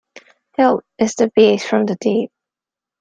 Help! It's the beast from the deep.